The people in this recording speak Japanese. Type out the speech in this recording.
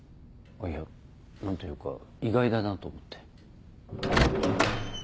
いや何というか意外だなと思って。